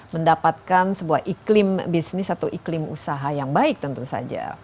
mendapatkan sebuah iklim bisnis atau iklim usaha yang baik tentu saja